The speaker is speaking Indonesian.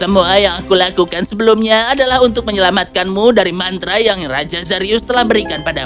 semua yang aku lakukan sebelumnya adalah untuk menyelamatkanmu dari mantra yang raja zarius telah berikan padamu